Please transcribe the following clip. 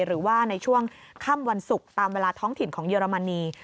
หรือว่าในช่วงค่ำวันศุกร์ตามเวลาท้องถิ่นของเยอรมนี